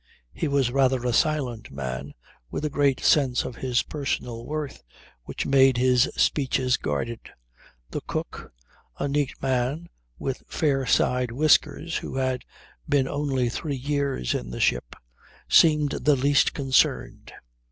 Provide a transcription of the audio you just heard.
He was rather a silent man with a great sense of his personal worth which made his speeches guarded. The cook, a neat man with fair side whiskers, who had been only three years in the ship, seemed the least concerned.